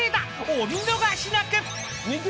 ［お見逃しなく］